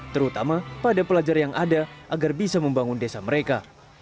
terutama pada pelajar yang ada agar bisa membangun desa mereka